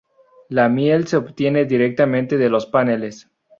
La miel se obtiene directamente de los paneles.